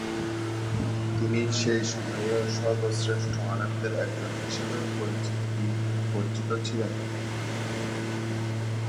তিনি সেই সময়ের সর্বশ্রেষ্ঠ আলেমদের একজন হিসেবে পরিচিত ছিলেন।